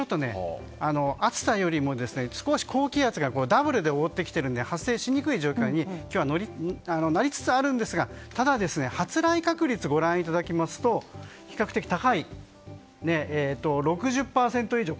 暑さよりも高気圧がダブルで覆ってきているので発生しにくい状態に今日はなりつつあるんですがただ、発雷確率をご覧いただきますと比較的高い６０％以上。